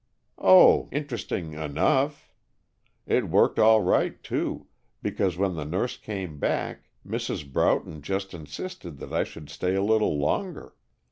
"Oh, interesting enough. It worked all right, too, because when the nurse came back, Mrs. Broughton just insisted that I should stay a little longer.